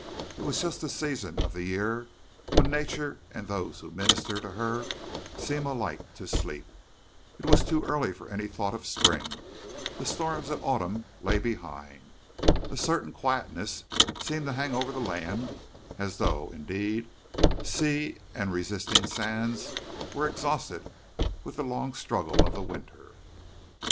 It was just the season of the year when nature and those who minister to her seem alike to sleep. It was too early for any thought of spring; the storms of autumn lay behind. A certain quietness seemed to hang over the land, as though, indeed, sea and resisting sands were exhausted with the long struggle of the winter.